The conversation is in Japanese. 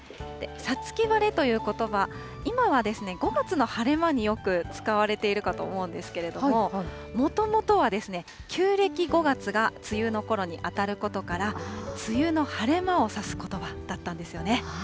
五月晴れということば、今は５月の晴れ間によく使われているかと思うんですけれども、もともとは旧暦５月が梅雨のころに当たることから、梅雨の晴れ間をさすことばだったんですよね。